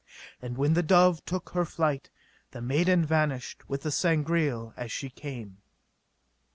And when the dove took her flight, the maiden vanished with the Sangreal as she came.